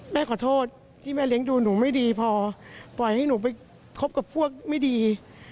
แม่ขอโทษที่แม่เลี้ยงดูหนูไม่ดีพอปล่อยให้หนูไปคบกับพวกไม่ดี